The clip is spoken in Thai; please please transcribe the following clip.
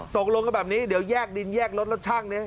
ตกลงกันแบบนี้เดี๋ยวแยกดินแยกรถแล้วช่างเนี่ย